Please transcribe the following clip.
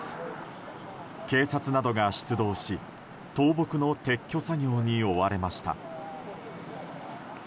警察などが出動し倒木の撤去作業に追われました。